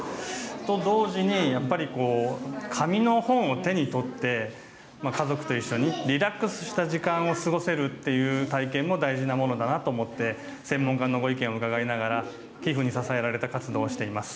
と同時に、やっぱりこう、紙の本を手に取って、家族と一緒にリラックスした時間を過ごせるっていう体験も大事なものだなと思って、専門家のご意見を伺いながら、寄付に支えられた活動をしています。